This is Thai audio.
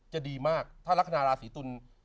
จะดีมากถ้ารักษณาราศีตุล